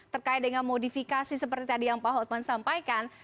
terkait dengan modifikasi seperti tadi yang pak hotman sampaikan